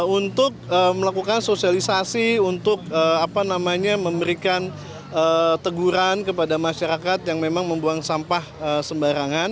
untuk melakukan sosialisasi untuk memberikan teguran kepada masyarakat yang memang membuang sampah sembarangan